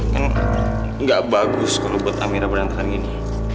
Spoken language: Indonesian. kan gak bagus kalau buat amira berantakan gini